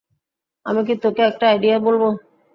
আমি কি তোকে একটা আইডিয়া বলব?